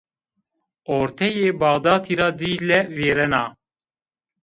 Orteyê Bexdadî ra Dîcle vêrena